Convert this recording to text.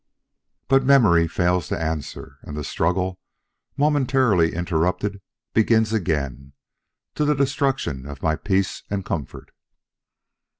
But memory fails to answer; and the struggle, momentarily interrupted, begins again, to the destruction of my peace and comfort."